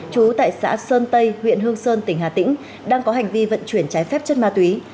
trú tại xã sơn tây huyện hương sơn tỉnh hà tĩnh đang có hành vi vận chuyển trái phép chất ma túy